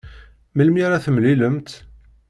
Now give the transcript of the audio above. Melmi ara temlilemt?